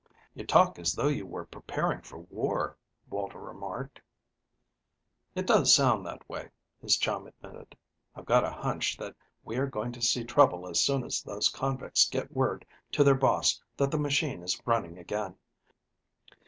"You talk as though you were preparing for war," Walter remarked. "It does sound that way," his chum admitted. "I've got a hunch that we are going to see trouble as soon as those convicts get word to their boss that the machine is running again.